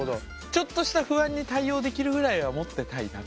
ちょっとした不安に対応できるぐらいは持ってたいなって感じなんだね。